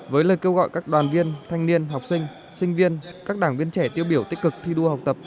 với lời kêu gọi các đoàn viên thanh niên học sinh sinh viên các đảng viên trẻ tiêu biểu tích cực thi đua học tập